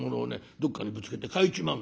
どっかにぶつけて欠いちまうんだよ。